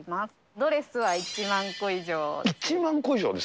ドレスは１万個以上です。